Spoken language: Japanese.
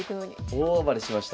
大暴れしました。